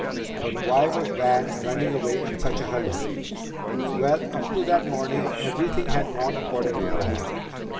"But why was Van running away in such a hurry?" "Well, up to that morning everything had gone according to plan.